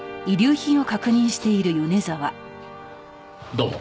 どうも。